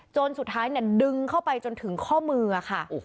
สุดท้ายดึงเข้าไปจนถึงข้อมือค่ะ